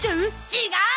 違う！